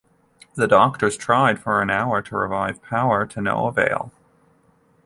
The doctors tried for an hour to revive Power, to no avail.